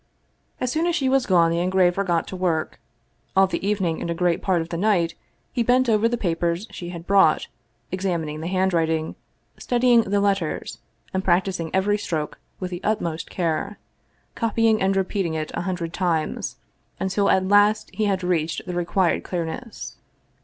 As soon as she was gone the engraver got to work. All the evening and a great part of the night he bent over the papers she had brought, examining the handwriting, studying the letters, and practicing every stroke with the utmost care, copying and repeating it a hundred times, until at last he had reached the required clearness.